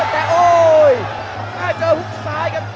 โอ้ยแต่โอ้ยน่าจะเจอฮุกซ้ายครับ